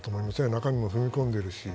中身も踏み込んでいるし。